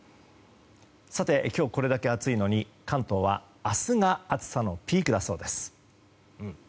今日これだけ暑いのに関東は明日が暑さのピークだそうです。